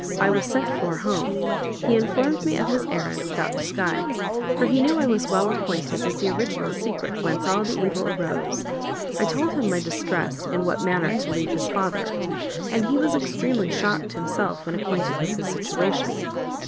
I was sent for home; he informed me of his errand without disguise, for he knew I was well acquainted with the original secret whence all the evil arose. I told him my distress in what manner to leave his father; and he was extremely shocked himself when acquainted with his situation.